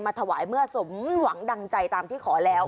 ถวายเมื่อสมหวังดังใจตามที่ขอแล้ว